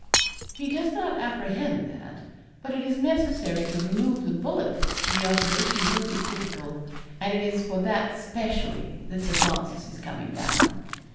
'He does not apprehend that. But it is necessary to remove the bullet, and the operation will be critical, and it is for that specially that Sir Francis is coming down.'